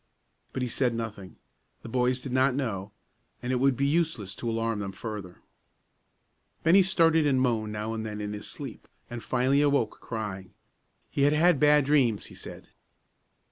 But he said nothing; the boys did not know, and it would be useless to alarm them further. Bennie started and moaned now and then in his sleep, and finally awoke, crying. He had had bad dreams, he said.